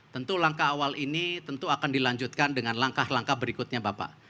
tentu langkah awal ini tentu akan dilanjutkan dengan langkah langkah berikutnya bapak